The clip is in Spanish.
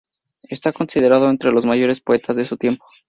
Está considerado entre los mayores poetas de su tiempo.